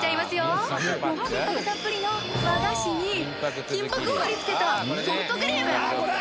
金箔たっぷりの和菓子に金箔を貼り付けたソフトクリーム！